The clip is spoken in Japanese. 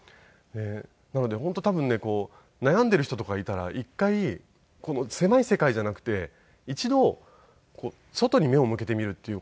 なので本当多分ね悩んでいる人とかがいたら一回この狭い世界じゃなくて一度外に目を向けてみるっていう事をね